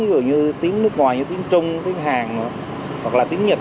ví dụ như tiếng nước ngoài như tiếng trung tiếng hàn hoặc là tiếng nhật